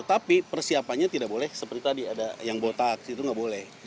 tapi persiapannya tidak boleh seperti tadi ada yang botak itu nggak boleh